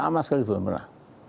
sama sekali belum pernah